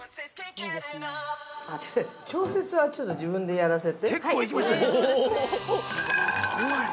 ◆調節は、ちょっと自分でやらせて。